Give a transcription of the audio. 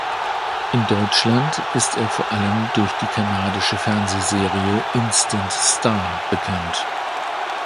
In Deutschland ist er vor allem durch die kanadische Fernsehserie "Instant Star" bekannt.